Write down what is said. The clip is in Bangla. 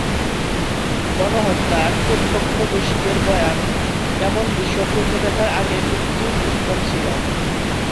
গণহত্যার প্রত্যক্ষদর্শীদের বয়ান," এমন দৃশ্য চোখে দেখার আগে মৃত্যুও উত্তম ছিল"।